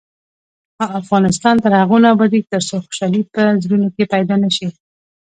افغانستان تر هغو نه ابادیږي، ترڅو خوشحالي په زړونو کې پیدا نشي.